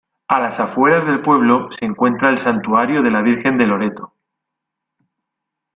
En las afueras del pueblo se encuentra el santuario de la Virgen de Loreto.